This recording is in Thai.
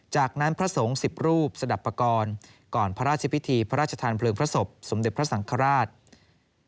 จากนั้นพระสงฆ์๑๐รูปสดับปกรณ์ก่อนพระราชชิมพิธีพระราชทานเผลืองพระศพสมเด็จพระสังคราชที่วัดเทพศิลป์จินทราวาทวราวิหารจะเริ่มขึ้น